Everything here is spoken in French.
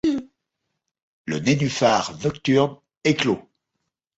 Le nénuphar nocturne éclôt ;